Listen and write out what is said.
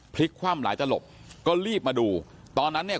พลิกคว่ำหลายตลบก็รีบมาดูตอนนั้นเนี่ย